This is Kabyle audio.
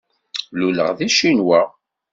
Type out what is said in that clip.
Luleɣ deg Ccinwa.